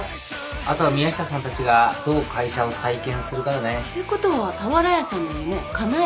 あとは宮下さんたちがどう会社を再建するかだね。ってことは俵屋さんの夢かなえてあげられたわけね。